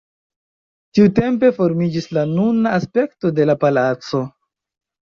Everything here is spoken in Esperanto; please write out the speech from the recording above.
Tiutempe formiĝis la nuna aspekto de la palaco.